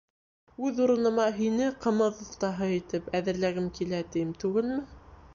Үҙ урыныма һине ҡымыҙ оҫтаһы итеп әҙерләгем килә тим түгелме?